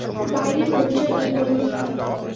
বাইরের পরিচয় নেই বললেই হয়।